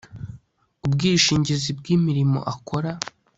ubwishingizi bw imirimo akora